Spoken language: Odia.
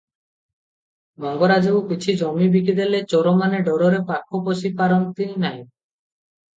ମଙ୍ଗରାଜଙ୍କୁ କିଛି ଜମି ବିକିଦେଲେ ଚୋରମାନେ ଡରରେ ପାଖ ପଶିପାରନ୍ତି ନାହିଁ ।